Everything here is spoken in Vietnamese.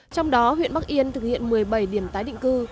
trong đó huyện bắc yên thực hiện một mươi bảy điểm tái định cư